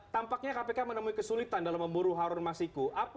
tampaknya kpk menemui kesulitan dalam memburu harun masiku